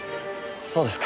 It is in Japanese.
そうですか。